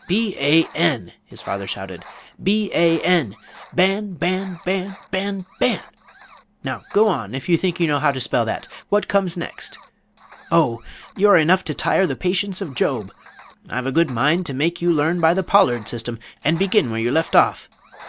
"B a n!" his father shouted, "B a n, Ban! Ban! Ban! Ban! Ban! Now go on, if you think you know how to spell that! What comes next? Oh, you're enough to tire the patience of Job! I've a good mind to make you learn by the Pollard system, and begin where you leave off!